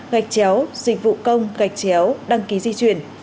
gạch chéo dịch vụ công gạch chéo đăng ký di chuyển